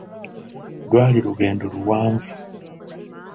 Lwali lugendo luwanvu.